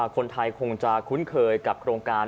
คนไทยคงจะคุ้นเคยกับโครงการ